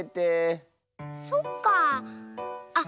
そっかあ。